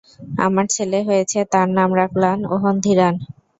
আমার ছেলে হয়েছে তার নাম রাখলাম ওহনধীরান।